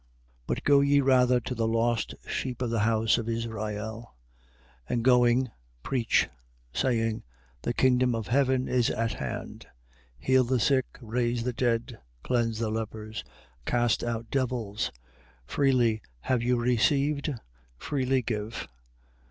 10:6. But go ye rather to the lost sheep of the house of Israel. 10:7. And going, preach, saying: The kingdom of heaven is at hand. 10:8. Heal the sick, raise the dead, cleanse the lepers, cast out devils: freely have you received, freely give.